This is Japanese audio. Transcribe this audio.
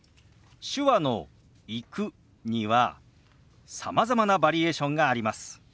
手話の「行く」にはさまざまなバリエーションがあります。